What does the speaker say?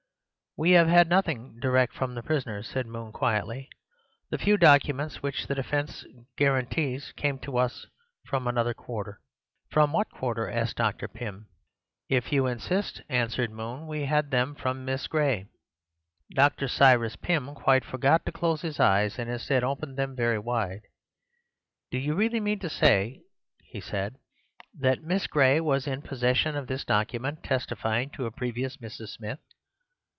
"We have had nothing direct from the prisoner," said Moon quietly. "The few documents which the defence guarantees came to us from another quarter." "From what quarter?" asked Dr. Pym. "If you insist," answered Moon, "we had them from Miss Gray." "Dr. Cyrus Pym quite forgot to close his eyes, and, instead, opened them very wide. "Do you really mean to say," he said, "that Miss Gray was in possession of this document testifying to a previous Mrs. Smith?"